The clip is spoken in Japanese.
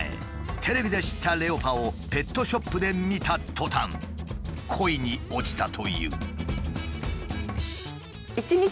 テレビで知ったレオパをペットショップで見たとたん恋に落ちたという。